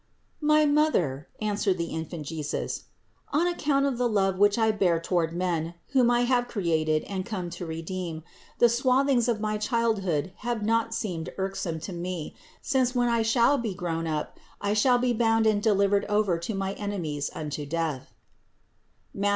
"My Mother," answered the Infant Jesus, "on account of the love which I bear toward man, whom I have created and come to redeem, the swathings of my childhood have not seemed irksome to Me, since when I shall be grown up I shall be bound and delivered over to my enemies unto death (Matth.